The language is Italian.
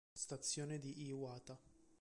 Stazione di Iwata